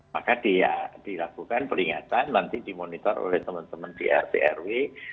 maka dilakukan peringatan nanti dimonitor oleh teman teman di rt rw